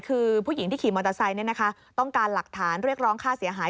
คือผู้หญิงที่ขี่มอเตอร์ไซค์ต้องการหลักฐานเรียกร้องค่าเสียหาย